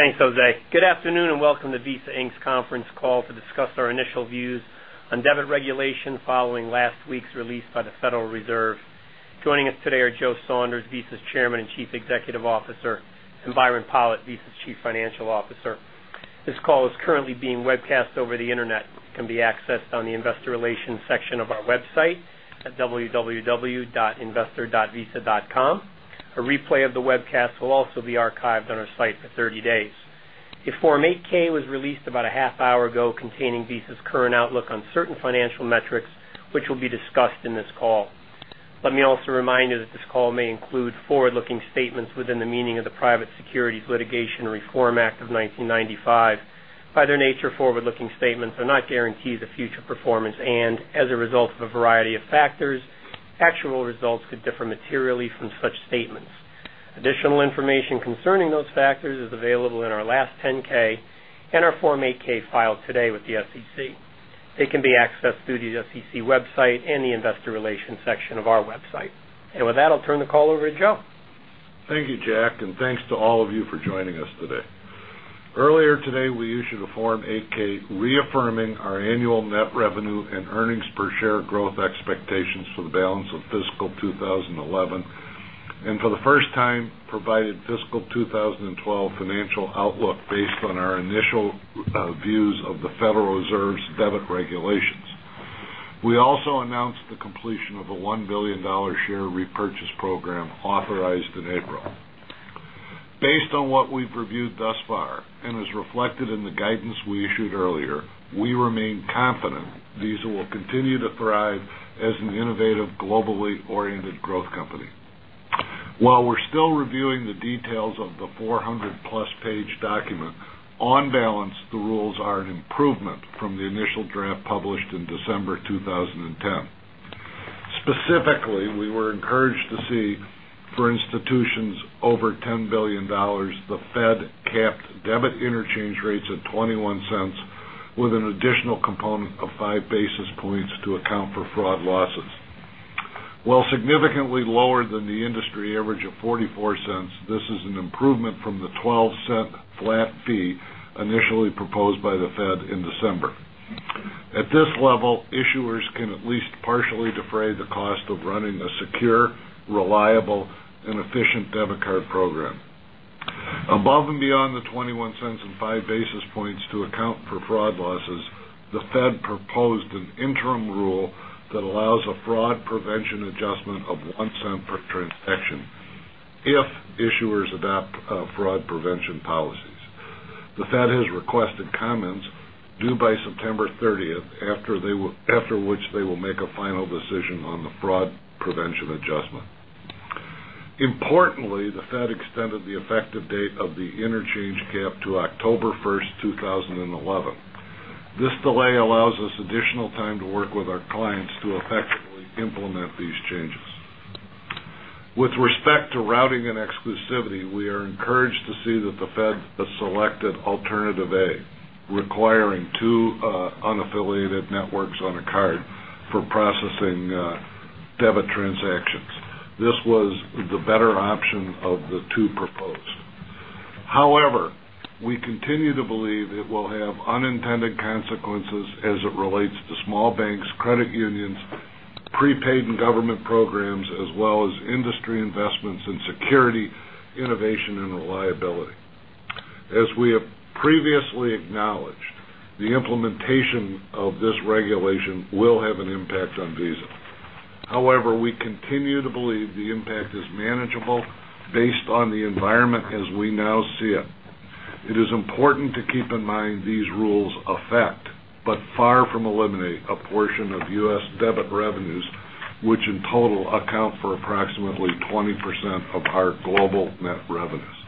Thanks, Jose. Good afternoon and welcome to Visa Inc.'s Conference Call to discuss our initial views on debit regulation following last week's release by the Federal Reserve. Joining us today are Joseph Saunders, Visa's Chairman and Chief Executive Officer, and Byron Pollitt, Visa's Chief Financial Officer. This call is currently being webcast over the internet and can be accessed on the Investor Relations section of our website at www.investor.visa.com. A replay of the webcast will also be archived on our site for 30 days. A Form 8-K was released about a half hour ago containing Visa's current outlook on certain financial metrics, which will be discussed in this call. Let me also remind you that this call may include forward-looking statements within the meaning of the Private Securities Litigation Reform Act of 1995. By their nature, forward-looking statements are not guaranteed the future performance and, as a result of a variety of factors, actual results could differ materially from such statements. Additional information concerning those factors is available in our last 10-K and our Form 8-K filed today with the SEC. They can be accessed through the SEC website and the Investor Relations section of our website. With that, I'll turn the call over to Joe. Thank you, Jack, and thanks to all of you for joining us today. Earlier today, we issued a Form 8-K reaffirming our annual net revenue and earnings per share growth expectations for the balance of fiscal 2011 and, for the first time, provided fiscal 2012 financial outlook based on our initial views of the Federal Reserve's debit regulations. We also announced the completion of a $1 billion share repurchase program authorized in April. Based on what we've reviewed thus far and as reflected in the guidance we issued earlier, we remain confident Visa will continue to thrive as an innovative, globally oriented growth company. While we're still reviewing the details of the 400+ page document, on balance, the rules are an improvement from the initial draft published in December 2010. Specifically, we were encouraged to see, for institutions over $10 billion, The Fed capped debit interchange rates at $0.21 with an additional component of 5 basis points to account for fraud losses. While significantly lower than the industry average of $0.44, this is an improvement from the $0.12 flat fee initially proposed by The the Fed in December. At this level, issuers can at least partially defray the cost of running a secure, reliable, and efficient debit card program. Above and beyond the $0.21 and 5 basis points to account for fraud losses, the Fed proposed an interim rule that allows a fraud prevention adjustment of $0.01 per transaction if issuers adopt fraud prevention policies. The Federal Reserve has requested comments due by September 30th, after which they will make a final decision on the fraud prevention adjustment. Importantly, the Fed extended the effective date of the interchange cap to October 1st, 2011. This delay allows us additional time to work with our clients to effectively implement these changes. With respect to routing and exclusivity, we are encouraged to see that the Fed has selected Alternative A, requiring two unaffiliated networks on a card for processing debit transactions. This was the better option of the two proposed. However, we continue to believe it will have unintended consequences as it relates to small banks, credit unions, prepaid and government programs, as well as industry investments in security, innovation, and reliability. As we have previously acknowledged, the implementation of this regulation will have an impact on Visa. However, we continue to believe the impact is manageable based on the environment as we now see it. It is important to keep in mind these rules affect, but far from eliminate, a portion of U.S. debit revenues, which in total account for approximately 20% of our global net revenues.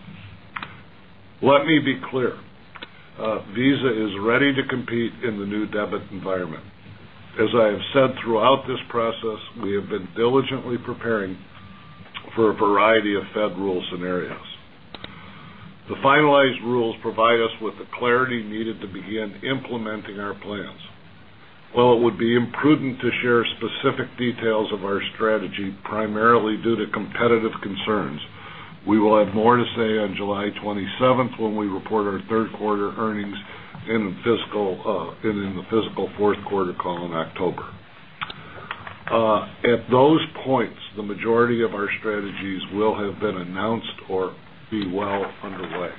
Let me be clear. Visa is ready to compete in the new debit environment. As I have said throughout this process, we have been diligently preparing for a variety of Fed rule scenarios. The finalized rules provide us with the clarity needed to begin implementing our plans. While it would be imprudent to share specific details of our strategy, primarily due to competitive concerns, we will have more to say on July 27th when we report our third quarter earnings in the fiscal fourth quarter call in October. At those points, the majority of our strategies will have been announced or be well underway.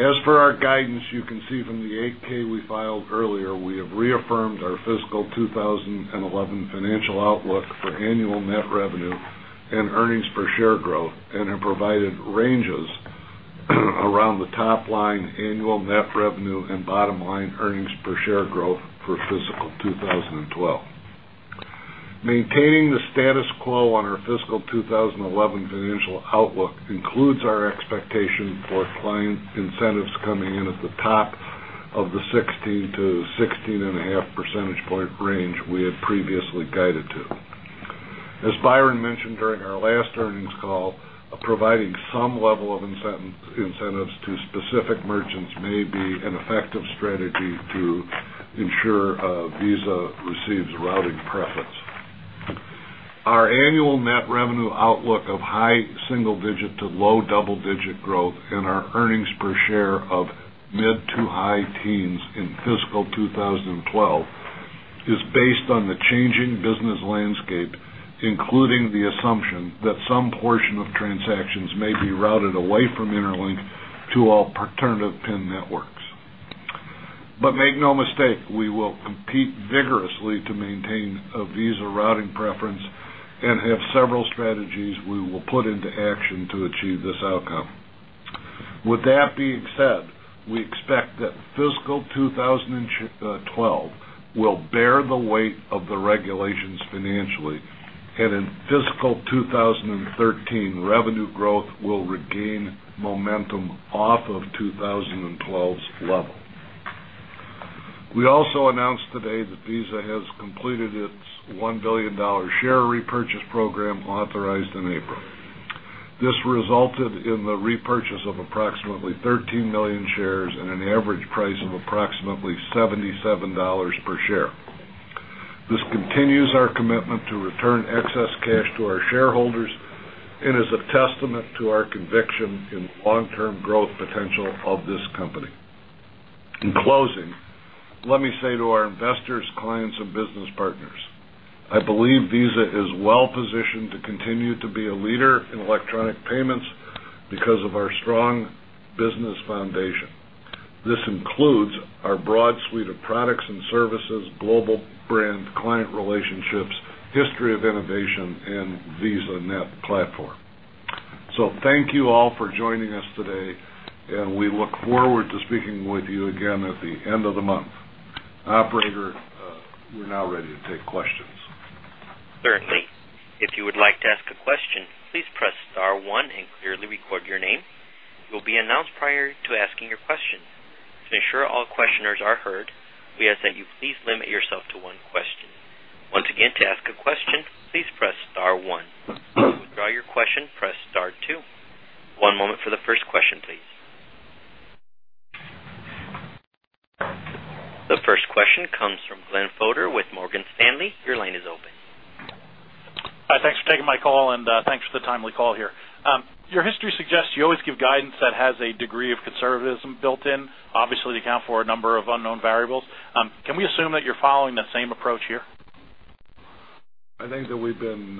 As per our guidance, you can see from the 8-K we filed earlier, we have reaffirmed our fiscal 2011 financial outlook for annual net revenue and earnings per share growth and have provided ranges around the top line annual net revenue and bottom line earnings per share growth for fiscal 2012. Maintaining the status quo on our fiscal 2011 financial outlook includes our expectation for client incentives coming in at the top of the 16%-16.5% range we had previously guided to. As Byron mentioned during our last earnings call, providing some level of incentives to specific merchants may be an effective strategy to ensure Visa receives routing preference. Our annual net revenue outlook of high single-digit to low double-digit growth and our earnings per share of mid to high teens in fiscal 2012 is based on the changing business landscape, including the assumption that some portion of transactions may be routed away from Interlink to alternative PIN networks. Make no mistake, we will compete vigorously to maintain a Visa routing preference and have several strategies we will put into action to achieve this outcome. With that being said, we expect that fiscal 2012 will bear the weight of the regulations financially, and in fiscal 2013, revenue growth will regain momentum off of 2012's level. We also announced today that Visa has completed its $1 billion share repurchase program authorized in April. This resulted in the repurchase of approximately $13 million shares at an average price of approximately $77 per share. This continues our commitment to return excess cash to our shareholders and is a testament to our conviction in the long-term growth potential of this company. In closing, let me say to our investors, clients, and business partners, I believe Visa is well positioned to continue to be a leader in electronic payments because of our strong business foundation. This includes our broad suite of products and services, global brand, client relationships, history of innovation, and VisaNet platform. Thank you all for joining us today, and we look forward to speaking with you again at the end of the month. Operator, we're now ready to take questions. Certainly. If you would like to ask a question, please press Star, one and clearly record your name. You will be announced prior to asking your question. To ensure all questioners are heard, we ask that you please limit yourself to one question. Once again, to ask a question, please press Star, one. To withdraw your question, press Star, two. One moment for the first question, please. The first question comes from Glenn Fodor with Morgan Stanley. Your line is open. Hi, thanks for taking my call and thanks for the timely call here. Your history suggests you always give guidance that has a degree of conservatism built in, obviously to account for a number of unknown variables. Can we assume that you're following that same approach here? I think that we've been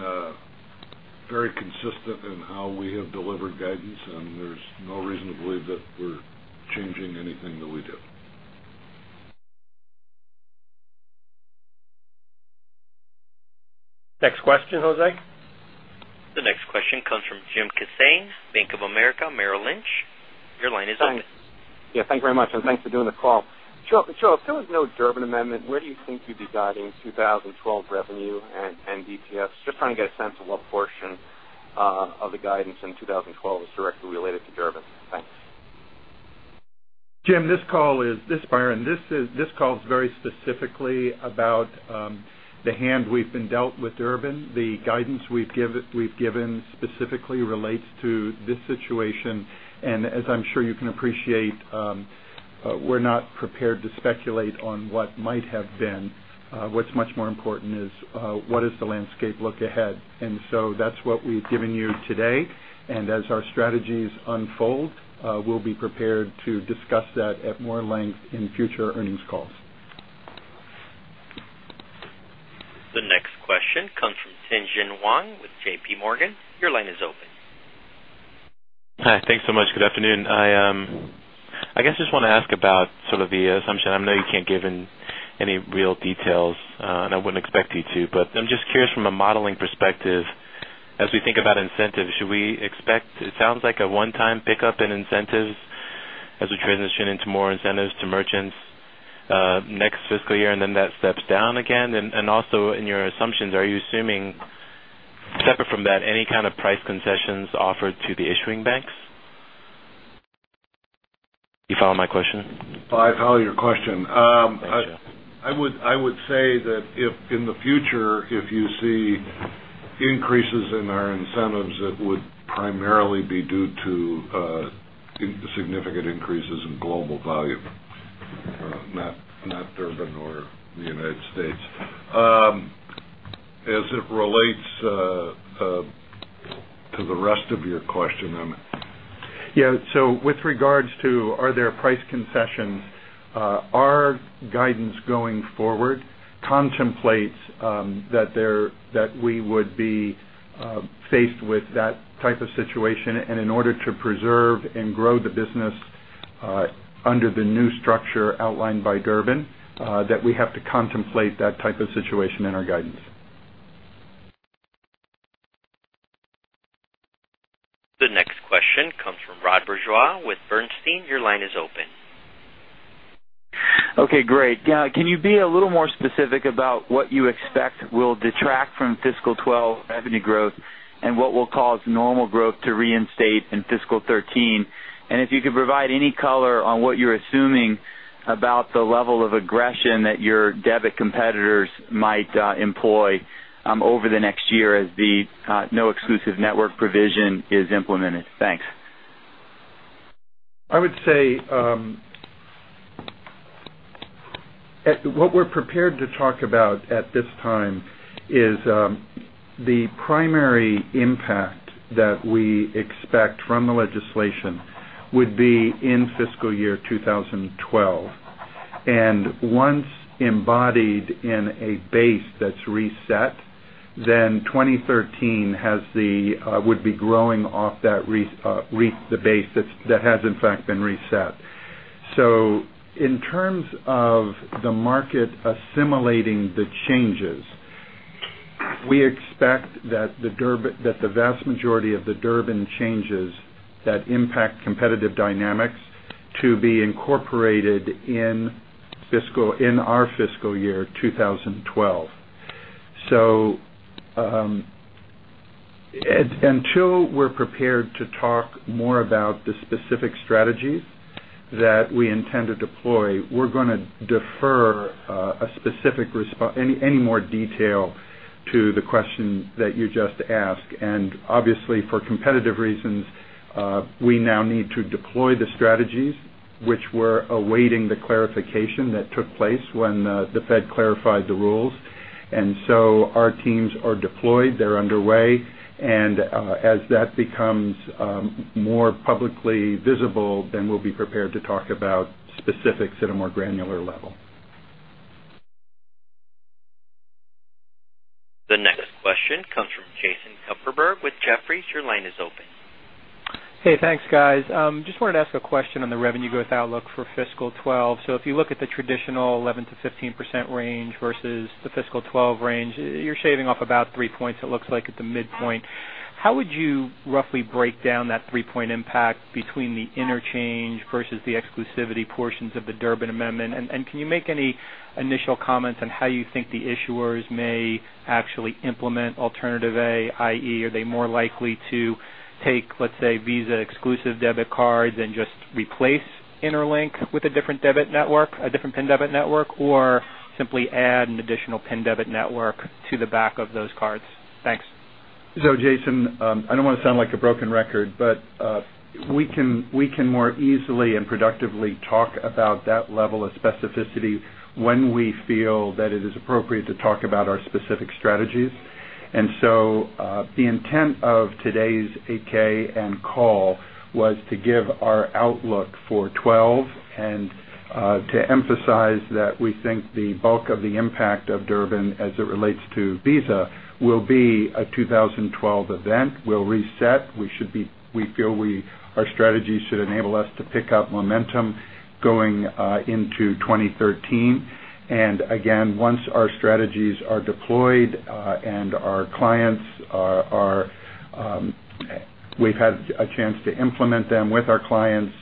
very consistent in how we have delivered guidance, and there's no reason to believe that we're changing anything that we do. Next question, Jose. The next question comes from James Kissane, Bank of America Merrill Lynch. Your line is open. Yeah, thanks very much, and thanks for doing the call. Sure. If there was no Durbin Amendment, where do you think you'd be guiding 2012 revenue and DTFs? Just trying to get a sense of what portion of the guidance in 2012 was directly related to Durbin. Thanks. Jim, this is Byron. This call is very specifically about the hand we've been dealt with the Durbin. The guidance we've given specifically relates to this situation, and as I'm sure you can appreciate, we're not prepared to speculate on what might have been. What's much more important is what does the landscape look ahead? That's what we've given you today. As our strategies unfold, we'll be prepared to discuss that at more length in future earnings calls. The next question comes from Tianyi Wang with JP Morgan. Your line is open. Hi, thanks so much. Good afternoon. I guess I just want to ask about sort of the assumption. I know you can't give any real details, and I wouldn't expect you to, but I'm just curious from a modeling perspective, as we think about incentives, should we expect, it sounds like, a one-time pickup in incentives as we transition into more incentives to merchants next fiscal year and then that steps down again? Also, in your assumptions, are you assuming, separate from that, any kind of price concessions offered to the issuing banks? Do you follow my question? I follow your question. I would say that if in the future you see increases in our incentives, it would primarily be due to significant increases in global value, not Durbin or the United States. As it relates to the rest of your question. With regards to, are there price concessions, our guidance going forward contemplates that we would be faced with that type of situation, and in order to preserve and grow the business under the new structure outlined by the Durbin that we have to contemplate that type of situation in our guidance. The next question comes from Rod Bourgeois with Bernstein. Your line is open. Okay, great. Can you be a little more specific about what you expect will detract from fiscal 2012 revenue growth and what we'll call normal growth to reinstate in fiscal 2013? If you could provide any color on what you're assuming about the level of aggression that your debit competitors might employ over the next year as the no exclusive network provision is implemented. Thanks. I would say what we're prepared to talk about at this time is the primary impact that we expect from the legislation would be in fiscal year 2012. Once embodied in a base that's reset, then 2013 would be growing off that, the base that has, in fact, been reset. In terms of the market assimilating the changes, we expect that the vast majority of the Durbin changes that impact competitive dynamics to be incorporated in our fiscal year 2012. Until we're prepared to talk more about the specific strategies that we intend to deploy, we're going to defer a specific response, any more detail to the question that you just asked. Obviously, for competitive reasons, we now need to deploy the strategies, which we're awaiting the clarification that took place when the Federal clarified the rules. Our teams are deployed, they're underway, and as that becomes more publicly visible, then we'll be prepared to talk about specifics at a more granular level. The next question comes from Jason Kupferberg with Jefferies. Your line is open. Hey, thanks, guys. Just wanted to ask a question on the revenue growth outlook for fiscal 2012. If you look at the traditional 11%-15% range versus the fiscal 2012 range, you're shaving off about three points, it looks like, at the midpoint. How would you roughly break down that three-point impact between the interchange versus the exclusivity portions of the Durbin Amendment? Can you make any initial comments on how you think the issuers may actually implement Alternative A, i.e., are they more likely to take, let's say, Visa exclusive debit cards and just replace Interlink with a different debit network, a different PIN debit network, or simply add an additional PIN debit network to the back of those cards? Thanks. Jason, I don't want to sound like a broken record, but we can more easily and productively talk about that level of specificity when we feel that it is appropriate to talk about our specific strategies. The intent of today's 8K and call was to give our outlook for 2012 and to emphasize that we think the bulk of the impact of the Durbin Amendment as it relates to Visa will be a 2012 event. We'll reset. We feel our strategies should enable us to pick up momentum going into 2013. Once our strategies are deployed and we've had a chance to implement them with our clients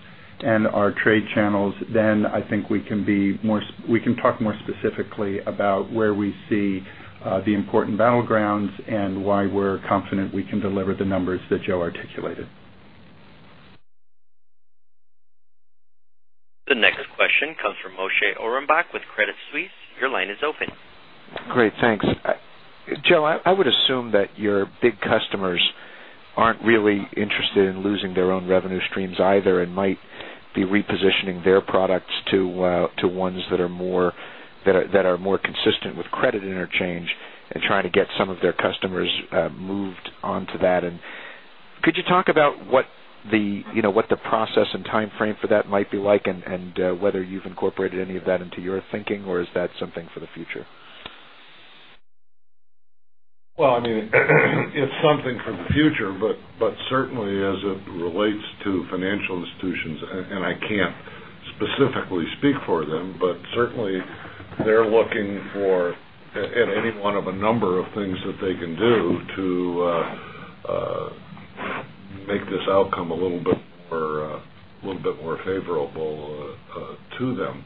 and our trade channels, then I think we can talk more specifically about where we see the important battlegrounds and why we're confident we can deliver the numbers that Joe articulated. The next question comes from Moshe Orenbach with Credit Suisse. Your line is open. Great, thanks. Joe, I would assume that your big customers aren't really interested in losing their own revenue streams either and might be repositioning their products to ones that are more consistent with credit interchange and trying to get some of their customers moved onto that. Could you talk about what the process and timeframe for that might be like and whether you've incorporated any of that into your thinking or is that something for the future? It is something for the future, but certainly as it relates to financial institutions, and I can't specifically speak for them, but certainly they're looking for any one of a number of things that they can do to make this outcome a little bit more favorable to them.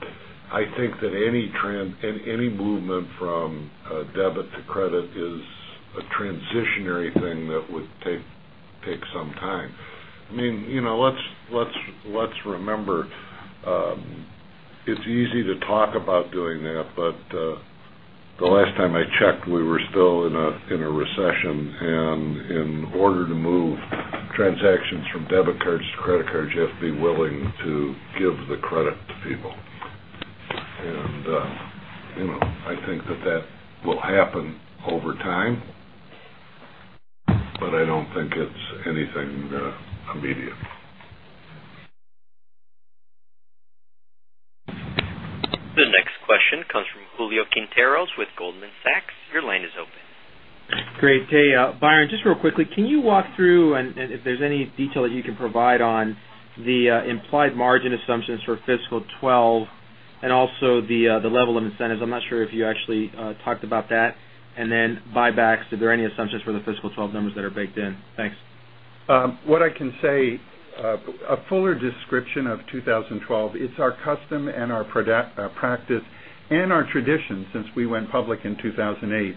I think that any trend and any movement from debit to credit is a transitionary thing that would take some time. You know, let's remember, it's easy to talk about doing that, but the last time I checked, we were still in a recession. In order to move transactions from debit cards to credit cards, you have to be willing to give the credit to people. I think that that will happen over time, but I don't think it's anything immediate. The next question comes from Julio Quinteros with Goldman Sachs. Your line is open. Great, hey, Byron, just real quickly, can you walk through and if there's any detail that you can provide on the implied margin assumptions for fiscal 2012 and also the level of incentives? I'm not sure if you actually talked about that. Then buybacks, are there any assumptions for the fiscal 2012 numbers that are baked in? Thanks. What I can say, a fuller description of 2012, it's our custom and our practice and our tradition since we went public in 2008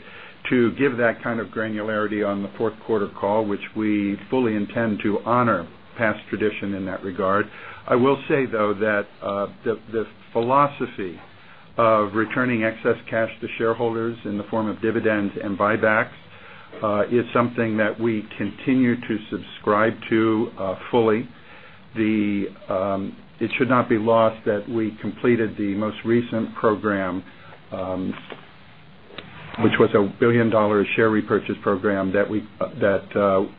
to give that kind of granularity on the fourth quarter call, which we fully intend to honor past tradition in that regard. I will say, though, that the philosophy of returning excess cash to shareholders in the form of dividends and buybacks is something that we continue to subscribe to fully. It should not be lost that we completed the most recent program, which was a $1 billion share repurchase program that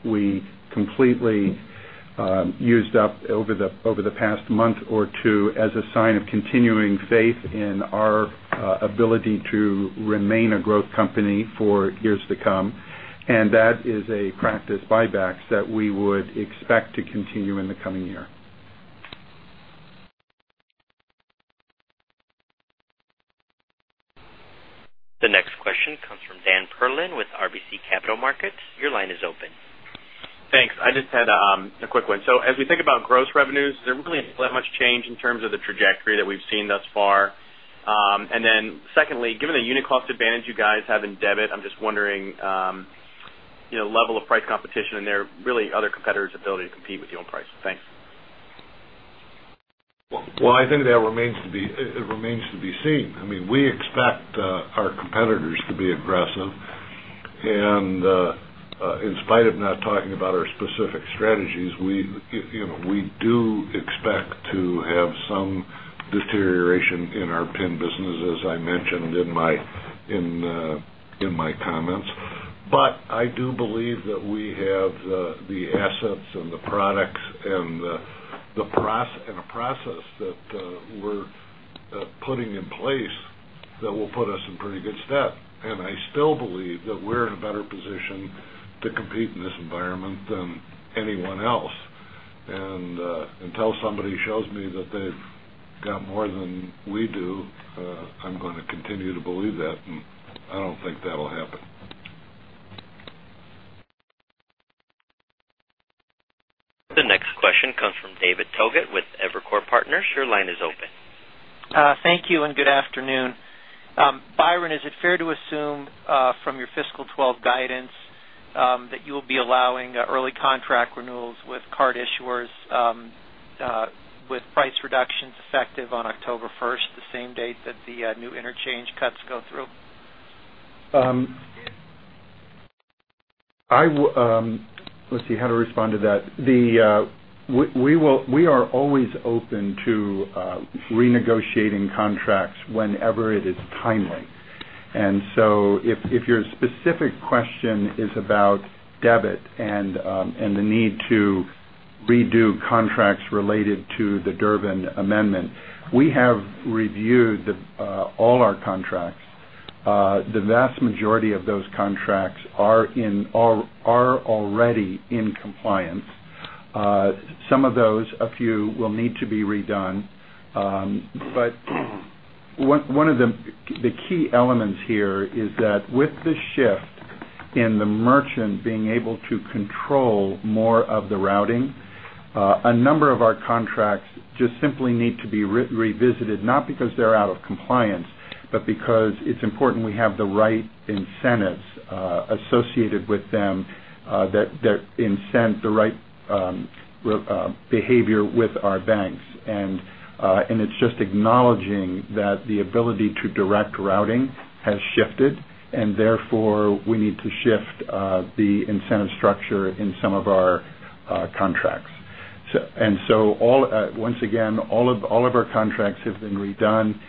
we completely used up over the past month or two as a sign of continuing faith in our ability to remain a growth company for years to come. That is a practice, buybacks, that we would expect to continue in the coming year. The next question comes from Dan Perlin with RBC Capital Markets. Your line is open. Thanks. I just had a quick one. As we think about gross revenues, is there really that much change in terms of the trajectory that we've seen thus far? Secondly, given the unit cost advantage you guys have in debit, I'm just wondering, you know, level of price competition and there really other competitors' ability to compete with you on price? Thanks. I think that remains to be seen. I mean, we expect our competitors to be aggressive. In spite of not talking about our specific strategies, we do expect to have some deterioration in our PIN business, as I mentioned in my comments. I do believe that we have the assets and the products and the process that we're putting in place that will put us in pretty good stead. I still believe that we're in a better position to compete in this environment than anyone else. Until somebody shows me that they've got more than we do, I'm going to continue to believe that. I don't think that'll happen. The next question comes from David Togut with Evercore Partners. Your line is open. Thank you and good afternoon. Byron, is it fair to assume from your fiscal 2012 guidance that you will be allowing early contract renewals with card issuers with price reductions effective on October 1st, the same date that the new interchange cuts go through? Let's see, how to respond to that. We are always open to renegotiating contracts whenever it is timely. If your specific question is about debit and the need to redo contracts related to the Durbin Amendment, we have reviewed all our contracts. The vast majority of those contracts are already in compliance. Some of those, a few, will need to be redone. One of the key elements here is that with the shift in the merchant being able to control more of the routing, a number of our contracts just simply need to be revisited, not because they're out of compliance, but because it's important we have the right incentives associated with them that incent the right behavior with our banks. It's just acknowledging that the ability to direct routing has shifted, and therefore we need to shift the incentive structure in some of our contracts. Once again, all of our contracts have been redone.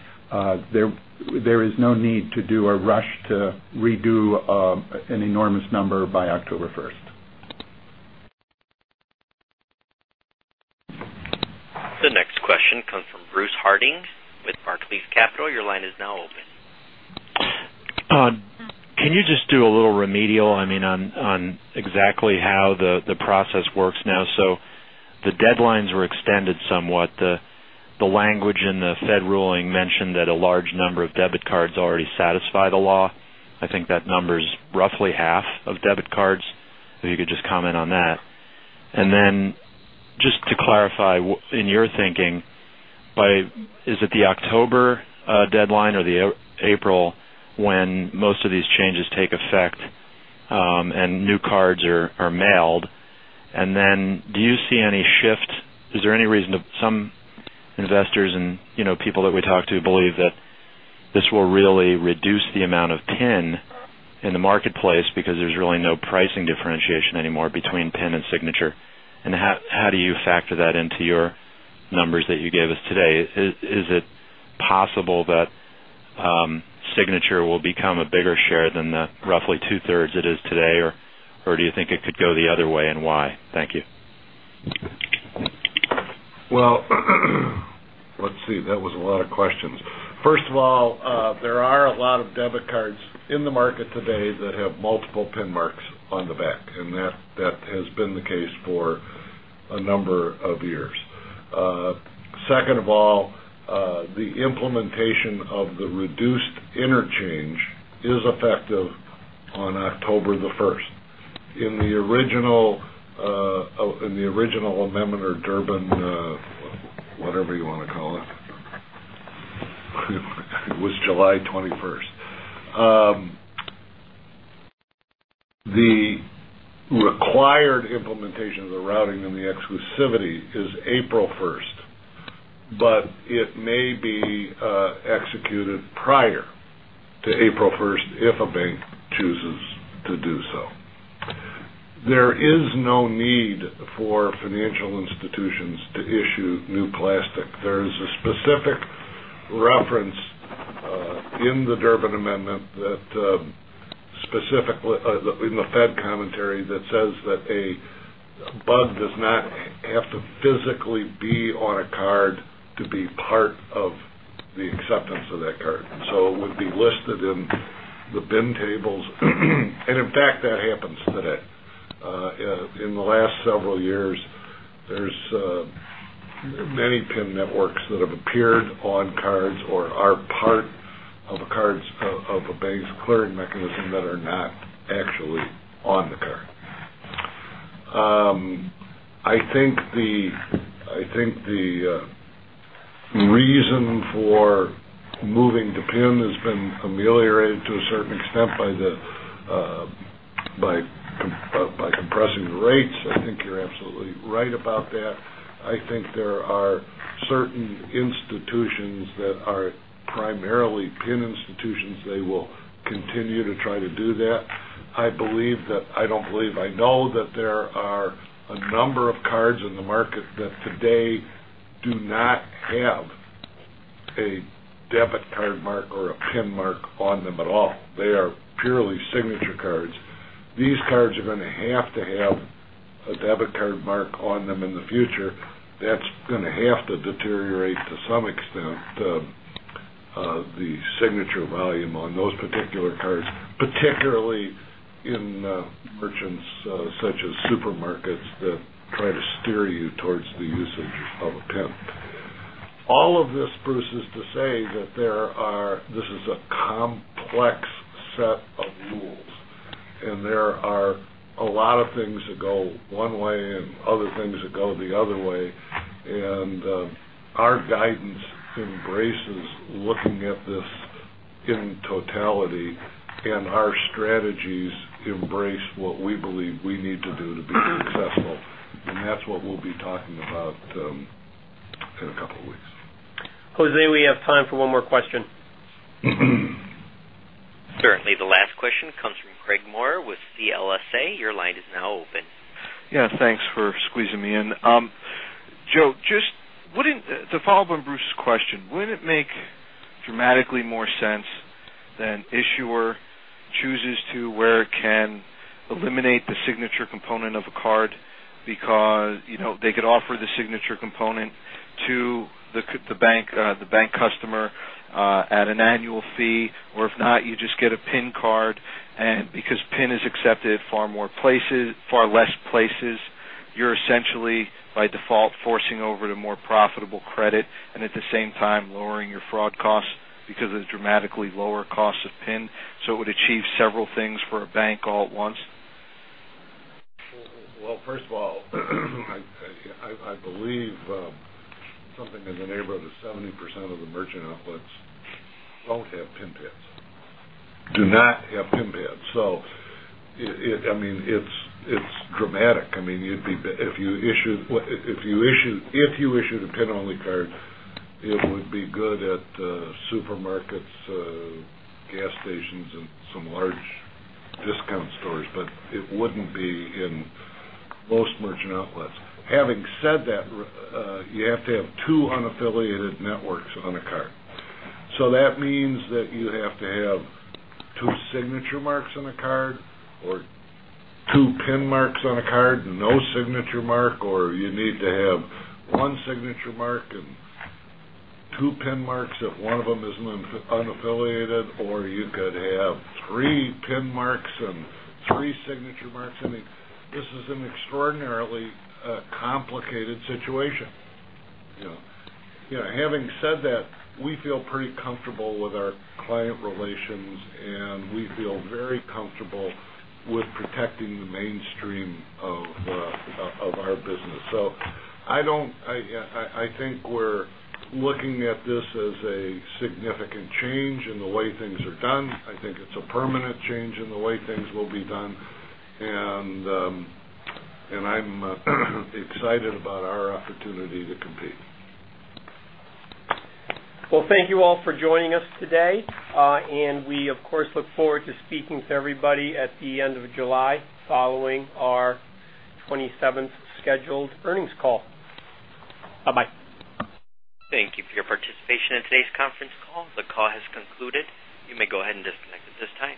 There is no need to do a rush to redo an enormous number by October 1st. The next question comes from Bruce Harding with Barclays Capital. Your line is now open. Can you just do a little remedial, I mean, on exactly how the process works now? The deadlines were extended somewhat. The language in the Fed ruling mentioned that a large number of debit cards already satisfy the law. I think that number is roughly half of debit cards, if you could just comment on that. Just to clarify in your thinking, is it the October deadline or the April when most of these changes take effect and new cards are mailed? Do you see any shift? Is there any reason that some investors and people that we talk to believe that this will really reduce the amount of PIN in the marketplace because there's really no pricing differentiation anymore between PIN and signature? How do you factor that into your numbers that you gave us today? Is it possible that signature will become a bigger share than the roughly 2/3 it is today? Do you think it could go the other way and why? Thank you. That was a lot of questions. First of all, there are a lot of debit cards in the market today that have multiple PIN marks on the back, and that has been the case for a number of years. Second of all, the implementation of the reduced interchange is effective on October the 1st. In the original amendment or Durbin, whatever you want to call it, I think it was July 21st, the required implementation of the routing and the exclusivity is April 1st, but it may be executed prior to April 1st if a bank chooses to do so. There is no need for financial institutions to issue new plastic. There is a specific reference in the Durbin Amendment, specifically in the Fed commentary, that says that a bug does not have to physically be on a card to be part of the acceptance of that card, so it would be listed in the PIN tables. In fact, that happens today. In the last several years, there are many PIN networks that have appeared on cards or are part of a bank's clearing mechanism that are not actually on the card. I think the reason for moving to PIN has been ameliorated to a certain extent by compressing the rates. You're absolutely right about that. There are certain institutions that are primarily PIN institutions, and they will continue to try to do that. I know that there are a number of cards in the market today that do not have a debit card mark or a PIN mark on them at all. They are purely signature cards. These cards are going to have to have a debit card mark on them in the future. That's going to have to deteriorate to some extent the signature volume on those particular cards, particularly in merchants such as supermarkets that try to steer you towards the usage of a PIN. All of this, Bruce, is to say that this is a complex set of rules, and there are a lot of things that go one way and other things that go the other way. Our guidance embraces looking at this in totality, and our strategies embrace what we believe we need to do to be successful. That's what we'll be talking about in a couple of weeks. Jose, we have time for one more question. Certainly, the last question comes from Craig Moore with CLSA. Your line is now open. Yeah, thanks for squeezing me in. Joe, just wanted to follow up on Bruce's question, wouldn't it make dramatically more sense than issuer chooses to where it can eliminate the signature component of a card because, you know, they could offer the signature component to the bank, the bank customer at an annual fee, or if not, you just get a PIN card. Because PIN is accepted at far fewer places, you're essentially, by default, forcing over to more profitable credit, and at the same time, lowering your fraud costs because of the dramatically lower cost of PIN. It would achieve several things for a bank all at once. First of all, I believe something in the neighborhood of 70% of the merchant outlets do not have PIN pads. It is dramatic. If you issue the PIN-only card, it would be good at supermarkets, gas stations, and some large discount stores, but it would not be in most merchant outlets. Having said that, you have to have two unaffiliated networks on a card. That means you have to have two signature marks on a card or two PIN marks on a card and no signature mark, or you need to have one signature mark and two PIN marks if one of them is unaffiliated, or you could have three PIN marks and three signature marks. This is an extraordinarily complicated situation. Having said that, we feel pretty comfortable with our client relations, and we feel very comfortable with protecting the mainstream of our business. I do not think we are looking at this as a significant change in the way things are done. I think it is a permanent change in the way things will be done. I am excited about our opportunity to compete. Thank you all for joining us today. We, of course, look forward to speaking to everybody at the end of July following our 27th scheduled earnings call. Bye-bye. Thank you for your participation in today's conference call. The call has concluded. You may go ahead and disconnect at this time.